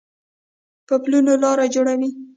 په پلونو لار جوړوي